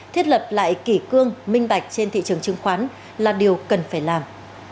thiết lập lại kỷ cương minh bạch trên thị trường chứng khoán là điều cần phải làm